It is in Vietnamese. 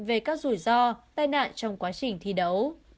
về các rủi ro tai nạn trong quá trình thi đấu